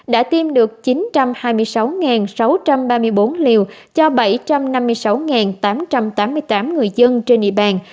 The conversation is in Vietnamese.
đã tiêm được chín trăm hai mươi sáu sáu trăm ba mươi bốn liều cho bảy trăm năm mươi sáu tám trăm tám mươi tám người dân trên địa bàn